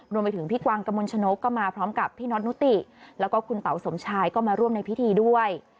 รวมไปถึงพี่กวางกระมวลชนกก็มาพร้อมกับพี่น็อตนุติแล้วก็คุณเต๋าสมชายก็มาร่วมในพิธีด้วย